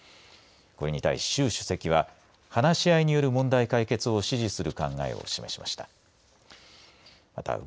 これに対し、習主席は話し合いによる問題解決を支持する考えを示しました。